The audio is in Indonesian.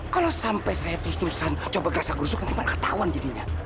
kalau sampai saya terus terusan coba gerasak gusuk nanti malah ketahuan jadinya